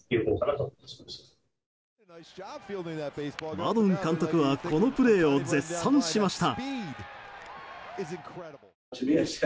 マドン監督はこのプレーを絶賛しました。